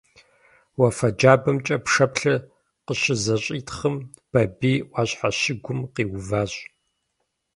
Уафэ джабэмкӀэ пшэплъыр къыщызэщӀитхъым, Бабий Ӏуащхьэ щыгум къиуващ.